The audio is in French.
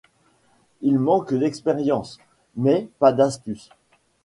Ils manquent d'expérience, mais pas d'astuce...